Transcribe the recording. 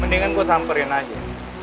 mendingan gue samperin aja